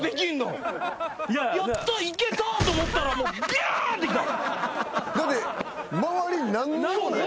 やったいけたと思ったらビュンってきた。